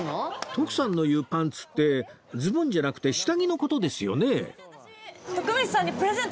徳さんの言うパンツってズボンじゃなくて下着の事ですよね？